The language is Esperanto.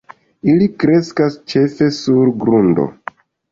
Ili kreskas ĉefe sur grundo.